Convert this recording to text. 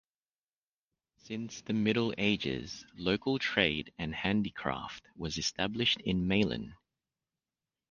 Since the Middle Ages local trade and handicraft was established in Meilen.